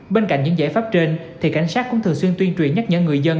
bên cạnh những giải pháp trên thì cảnh sát cũng thường xuyên tuyên truyền nhắc nhở người dân